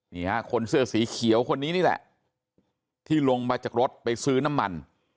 นี่ฮะคนเสื้อสีเขียวคนนี้นี่แหละที่ลงมาจากรถไปซื้อน้ำมัน